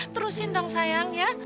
terusin dong sayang ya